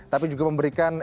tapi juga memberikan